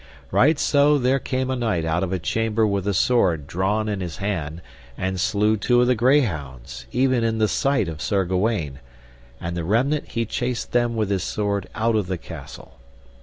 Right so there came a knight out of a chamber with a sword drawn in his hand and slew two of the greyhounds, even in the sight of Sir Gawaine, and the remnant he chased them with his sword out of the castle.